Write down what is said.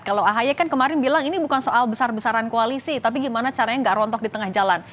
kalau ahy kan kemarin bilang ini bukan soal besar besaran koalisi tapi gimana caranya nggak rontok di tengah jalan